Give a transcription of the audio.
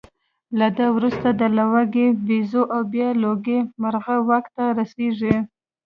له ده وروسته د لوګي بیزو او بیا لوګي مرغلره واک ته رسېږي